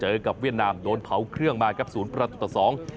กับเวียดนามโดนเผาเครื่องมาครับศูนย์ประตูต่อสอง